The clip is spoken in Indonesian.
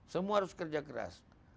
semua harus kerja keras